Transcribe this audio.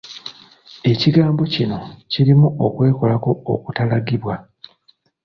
Ekigambo kino kirimu okwekolako okutaalagibwa.